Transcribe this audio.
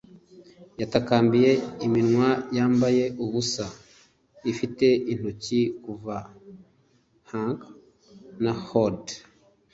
yatakambiye iminwa yambaye ubusa, ifite intoki kuva hank na hood